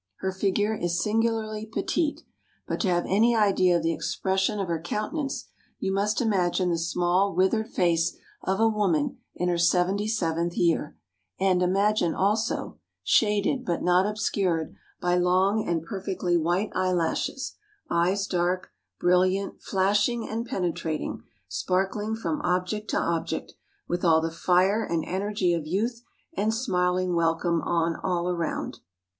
Her figure is singularly petite; but to have any idea of the expression of her countenance, you must imagine the small withered face of a woman in her seventy seventh year; and, imagine also (shaded, but not obscured, by long and perfectly white eyelashes) eyes dark, brilliant, flashing, and penetrating, sparkling from object to object, with all the fire and energy of youth, and smiling welcome on all around."